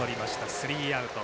スリーアウト。